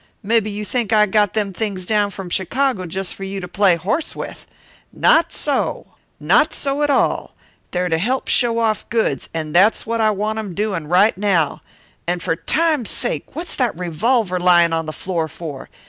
Mebbe you think I got them things down from Chicago just for you to play horse with. Not so! Not so at all! They're to help show off goods, and that's what I want 'em doin' right now. And for Time's sake, what's that revolver lyin' on the floor for?